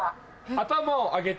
頭を上げて。